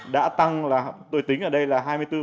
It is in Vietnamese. đã tăng là tôi tính ở đây là hai mươi bốn